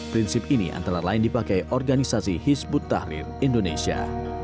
prinsip ini antara lain dipakai organisasi hizbut tahrir indonesia